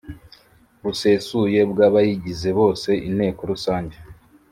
busesuye bw abayigize bose Inteko Rusange